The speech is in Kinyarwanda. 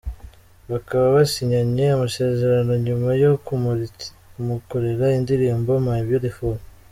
Bakaba basinyanye amasezerano nyuma yo kumukorera indirimbo ‘My Beautiful’.